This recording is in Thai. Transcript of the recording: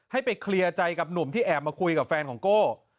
ให้ไปเคลียร์ใจกับหนุ่มที่แอบมาคุยกับแฟนของโก้